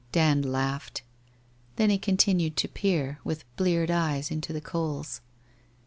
Dand laughed. Then he continued to peer, with bleared eyes, into the coals.